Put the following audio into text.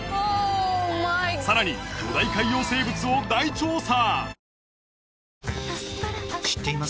さらに巨大海洋生物を大調査！